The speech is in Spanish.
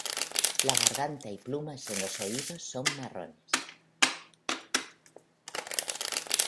La garganta y plumas en los oídos son marrones.